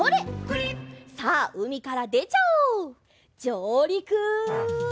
じょうりく！